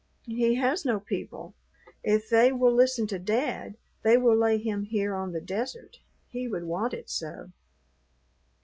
"He has no people. If they will listen to Dad, they will lay him here on the desert. He would want it so."